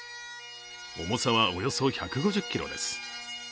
重さは、およそ１５０ｋｇです。